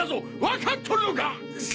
わかっとるのか！！